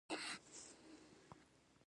میلمه د خدای دوست ګڼل کیږي.